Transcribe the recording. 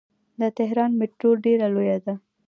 د تهران میټرو ډیره لویه ده.